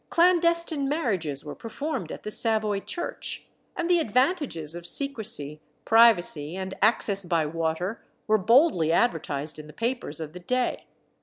clandestine marriages were performed at the Savoy church; and the advantages of secrecy, privacy, and access by water were boldly advertised in the papers of the day.